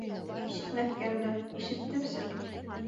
Ишетмәҫкә әллә, ишеттемсе.